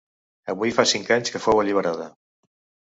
Avui fa cinc anys que fou alliberada.